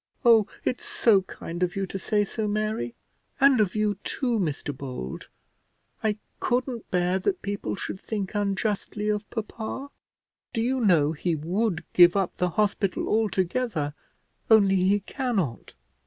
"Oh! it's so kind of you to say so, Mary, and of you too, Mr Bold. I couldn't bear that people should think unjustly of papa. Do you know he would give up the hospital altogether, only he cannot.